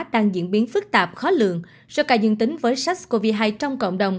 đang diễn biến phức tạp khó lượng số ca dương tính với sars cov hai trong cộng đồng